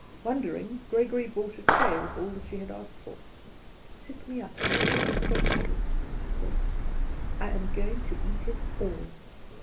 Wondering, Gregory brought a tray with all that she had asked for. "Sit me up, and put it close to me," she said; "I am going to eat it all."